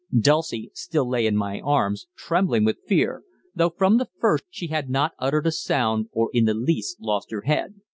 Dulcie still lay in my arms, trembling with fear, though from the first she had not uttered a sound, or in the least lost her head.